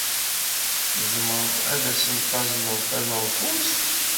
Tzemreḍ ad asen-tazneḍ taneḍfust?